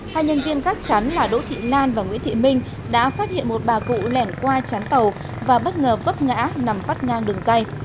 hai nhân viên gác chắn là đỗ thị lan và nguyễn thị minh đã phát hiện một bà cụ lẻn qua chắn tàu và bất ngờ vấp ngã nằm vắt ngang đường dây